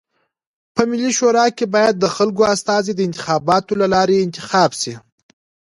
په ملي شورا کي بايد د خلکو استازي د انتخاباتو د لاري انتخاب سی.